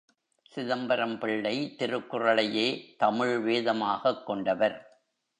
சிதம்பரம் பிள்ளை திருக்குறளையே, தமிழ் வேதமாகக் கொண்டவர்.